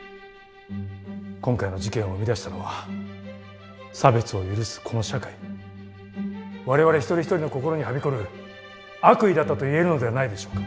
今回の事件を生み出したのは差別を許すこの社会我々一人一人の心にはびこる悪意だったと言えるのではないでしょうか。